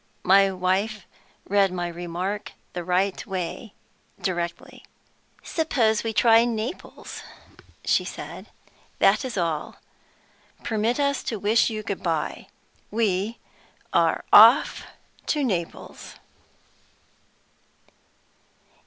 My wife read my remark the right way directly. "Suppose we try Naples?" she said. That is all. Permit us to wish you good by. We are off to Naples.